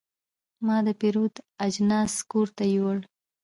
ما د پیرود اجناس کور ته یوړل.